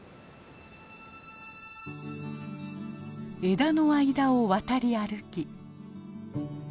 枝の間を渡り歩き。